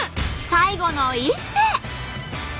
最後の一手。